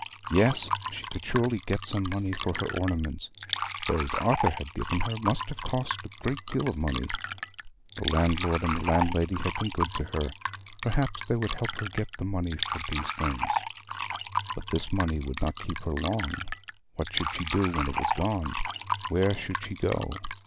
Yes, she could surely get some money for her ornaments: those Arthur had given her must have cost a great deal of money. The landlord and landlady had been good to her; perhaps they would help her to get the money for these things. But this money would not keep her long. What should she do when it was gone? Where should she go?